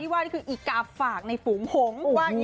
อีกาฝากในหูผง